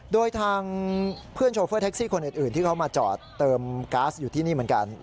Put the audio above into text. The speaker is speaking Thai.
โดยทางเพื่อนโชเฟอร์แท็กซี่คนอื่นที่เขามาจอดเติมก๊าซอยู่ที่นี่เหมือนกัน